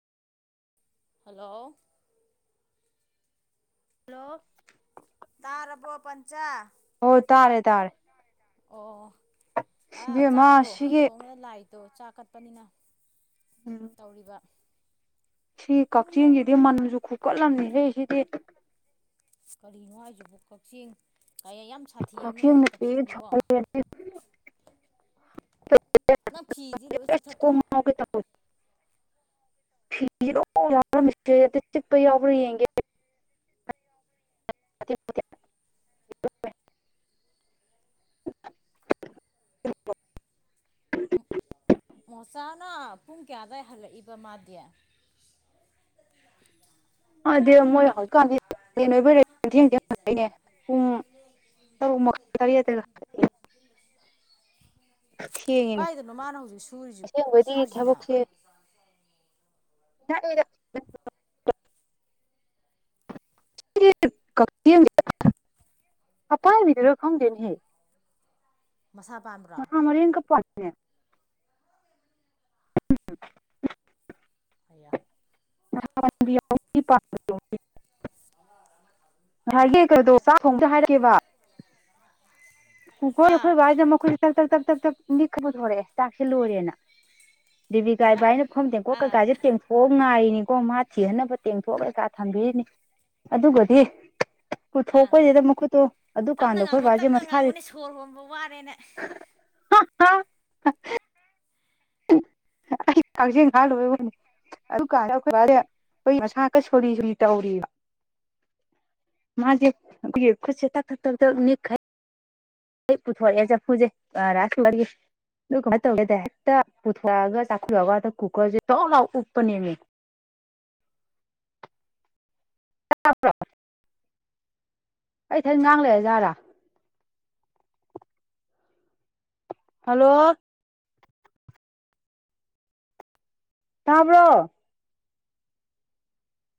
hello hello ꯇꯥꯔꯔꯕꯣ ꯄꯆꯥ ꯑꯣ ꯇꯥꯔꯦ ꯇꯥꯔꯦ ꯑꯣ ꯑ ꯏꯕꯦꯝꯃ ꯆꯥꯛꯇꯣ ꯁꯤꯒꯤ ꯊꯣꯡꯕꯗ ꯂꯥꯏꯠꯇꯣ ꯆꯥꯛ ꯀꯠꯄꯅꯤꯅ ꯎꯝ ꯇꯧꯔꯤꯕ ꯁꯤ ꯀꯛꯆꯤꯡꯒꯤꯗꯤ ꯃꯟꯁꯨ ꯈꯨꯀꯠꯂꯝꯅꯤꯁꯦ ꯁꯤꯗꯤ ꯀꯔꯤꯅꯣ ꯍꯥꯏꯁꯤꯕꯨ ꯀꯛꯆꯤꯡ ꯀꯈꯅ ꯄꯦꯦꯦ ꯅꯪ ꯐꯤꯗꯤ ꯂꯣꯏ ꯆꯤꯛꯊꯠꯇ꯭ꯔꯣ ꯐꯔꯁ ꯆꯄꯕ ꯌꯦꯡꯦ [inaudible] ꯃꯣꯆꯥꯅ ꯄꯨꯡ ꯀꯌꯥꯗꯋꯥꯏ ꯍꯜꯂꯛꯏꯕ ꯃꯥꯗꯤ [inaudible] ꯑ ꯃꯣꯏ ꯍꯧꯖꯤꯛꯀꯥꯟꯗꯤ ꯅꯣꯏ ꯊꯦꯡ ꯊꯦꯡꯅꯦ ꯄꯨꯡ [inaudible] ꯊꯦꯡꯉꯤꯅꯦ ꯀꯥꯏꯗꯅꯣ ꯃꯥꯅ ꯍꯧꯖꯤꯛ ꯁꯨꯔꯤꯁꯤ ꯑꯁꯦꯡꯕꯗꯤ ꯁꯨꯔꯤꯁꯤꯅ ꯊꯕꯛꯁꯦ [inaudible] ꯍꯥꯄꯥꯏꯚꯔ ꯐꯣꯡꯗꯦꯟ ꯍꯦ ꯃꯁꯥ ꯄꯥꯟꯕ꯭ꯔꯣ ꯃꯃꯔꯤ ꯀ ꯄꯔꯦ ꯎꯝ ꯑꯌꯥ [inaudible] ꯑꯥ ꯗꯣ ꯀꯨꯀꯣꯏ ꯑꯥ ꯑꯩꯈꯣꯏ ꯕꯥꯏꯁꯤꯗ ꯃꯈꯣꯏꯁ ꯅꯤꯛ ꯄꯨꯊꯣꯔꯛꯑꯦ ꯆꯥꯛꯁꯦ ꯂꯣꯏꯔꯦꯅ ꯦꯕꯤ ꯀꯥꯏ ꯑꯥ ꯚꯥꯏꯅ ꯈꯣꯝ ꯇꯦꯡꯀꯣꯛ ꯑꯥ ꯀꯩꯀꯥꯁꯦ ꯇꯦꯡꯐꯣꯛꯑ ꯉꯥꯏꯔꯤꯅꯤ ꯀꯣ ꯃꯥ ꯊꯤꯍꯟꯅꯕ ꯇꯦꯡꯊꯣꯛꯑ ꯀꯀꯥ ꯊꯝꯕꯤꯔꯤꯅꯤ ꯑꯗꯨꯒꯗꯤ ꯑꯥ ꯄꯨꯊꯣꯛꯄꯩꯁꯤꯗ ꯃꯈꯨꯠꯇꯣ ꯇꯞꯅ ꯑꯗꯨꯀꯥꯟꯗ ꯉꯥꯡꯉꯨ ꯑꯩꯈꯣꯏꯕꯥꯁꯦ ꯇꯞꯅ ꯃꯁꯥꯥꯁ ꯉꯥꯡꯉꯨꯅꯦ ꯁꯣꯔ ꯍꯣꯟꯕ ꯋꯥꯔꯦꯅꯦ ꯍꯥ ꯀꯁ ꯍꯜ ꯑꯣꯏꯕꯅꯤ ꯑꯗꯨ ꯀꯥꯟ ꯃꯁꯥꯀ ꯁꯣ ꯁ ꯇꯧꯔꯤꯕ ꯃꯥꯦꯁ ꯇ ꯈꯔ ꯃꯤꯅꯤ ꯈ ꯄꯨꯊꯔ ꯆ ꯐꯨꯖꯦ ꯑ ꯔꯁꯨ ꯑꯣꯏꯔꯦ ꯦ ꯍꯦꯛꯇ ꯄꯨꯊꯣꯔꯛꯑꯒ ꯆꯥꯈꯠꯂꯑꯒ ꯀꯨꯀꯔꯁꯦ ꯂꯥꯎ ꯎꯞꯄ ꯅꯦꯝꯉꯦ ꯑ ꯭ꯔ ꯑꯩ ꯊ ꯉꯥꯡ ꯂꯩꯔ ꯖꯥꯠꯔꯥ ꯍꯜꯂꯣ ꯀꯥꯕ꯭ꯔꯣ